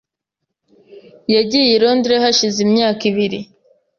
Yagiye i Londres hashize imyaka ibiri .